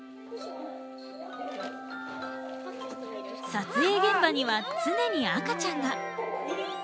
撮影現場には常に赤ちゃんが。